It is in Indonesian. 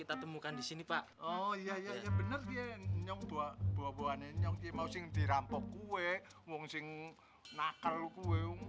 iya iya iya bener kia nyung buah buahan ini nyung kia mau sing dirampok kue wong sing nakal kue